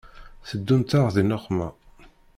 Teddunt-aɣ di nneqma.